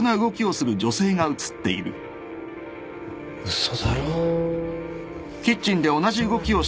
嘘だろ